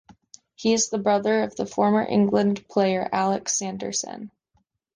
He is the brother of the former England player Alex Sanderson.